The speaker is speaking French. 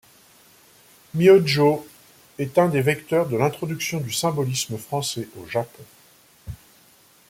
Myōjō est un des vecteurs de l'introduction du symbolisme français au Japon.